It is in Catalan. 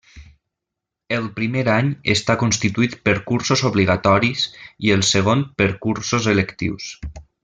El primer any està constituït per cursos obligatoris i el segon per cursos electius.